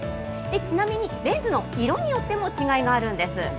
ちなみにレンズの色によっても違いがあるんです。